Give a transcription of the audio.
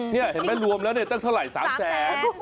นี่เห็นไหมรวมแล้วเนี่ยตั้งเท่าไหร่๓แสน